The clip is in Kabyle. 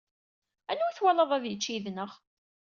Anwa i twalaḍ ad yečč yid-neɣ?